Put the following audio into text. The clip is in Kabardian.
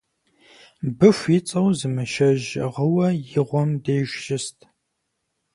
Быху ицӀэу зы мыщэжь гъыуэ и гъуэм деж щыст